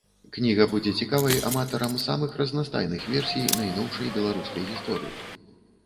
Кніга будзе цікавай аматарам самых разнастайных версій найноўшай беларускай гісторыі.